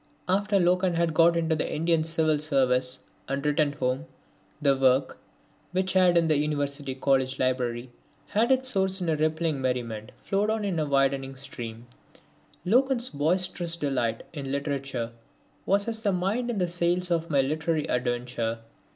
After Loken had got into the Indian Civil Service, and returned home, the work, which had in the University College library had its source in rippling merriment, flowed on in a widening stream. Loken's boisterous delight in literature was as the wind in the sails of my literary adventure.